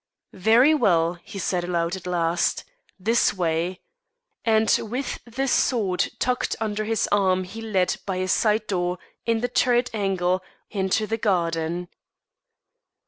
"Very well!" he said aloud at last, "this way," and with the sword tucked under his arm he led, by a side door in the turret angle, into the garden.